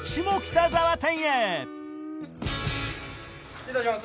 失礼いたします